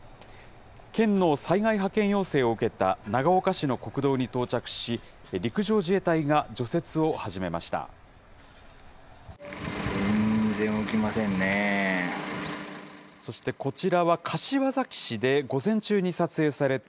県の災害派遣要請を受けた長岡市の国道に到着し、陸上自衛隊が除雪を始めました。